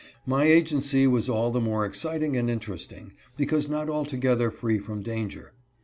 My agency was all the more exciting and interesting, because not altogether free from danger.